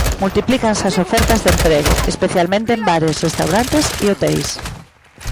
Multiplícanse as ofertas de emprego, especialmente en bares, restaurantes e hoteis.